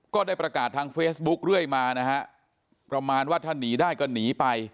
ก็ได้ประกาศทางเฟซบุ๊คเรื่อยมานะฮะประมาณว่าถ้าหนีได้ก็หนีไป